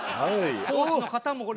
講師の方もこれ。